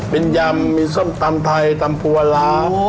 เป็นยำมีส้มตำไทยตำพัวล้าง